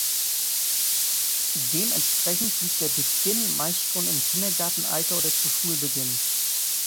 Dementsprechend liegt der Beginn meist schon im Kindergartenalter oder zu Schulbeginn.